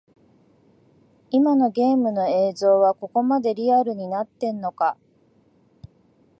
今のゲームの映像はここまでリアルになってんのか